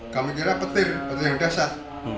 kami kira petir petir yang dasar